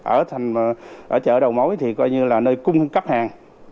ở chợ đồ mối thì coi như là nơi cung cấp hàng